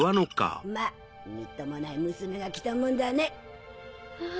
まぁみっともない娘が来たもんだね。